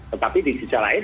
tetapi di sisa lain